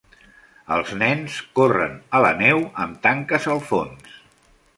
Els nens corren a la neu amb tanques al fons